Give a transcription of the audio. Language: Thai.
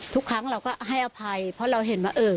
ทุกครั้งเราก็ให้อภัยเพราะเราเห็นว่าเออ